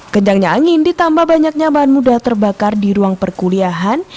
kencangnya angin ditambah banyaknya bahan mudah terbakar di ruang perkuliahan